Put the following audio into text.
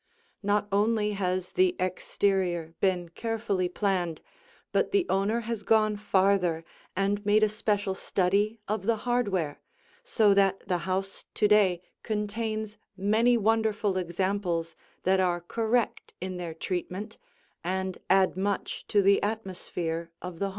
Not only has the exterior been carefully planned, but the owner has gone farther and made a special study of the hardware, so that the house to day contains many wonderful examples that are correct in their treatment and add much to the atmosphere of the home.